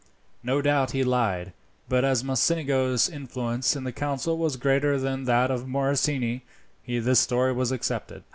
No doubt he lied; but as Mocenigo's influence in the council was greater than that of the Morosini, the story was accepted.